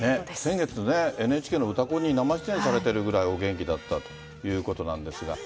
先月ね、ＮＨＫのうたコンに生出演されてるぐらいお元気だったということなんですが。